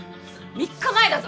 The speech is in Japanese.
３日前だぞ！？